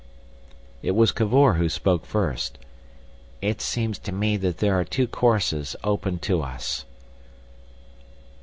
It was Cavor who spoke first. "It seems to me that there are two courses open to us."